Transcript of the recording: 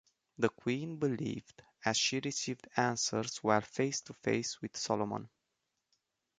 The Queen believed as she received answers while face-to-face with Solomon.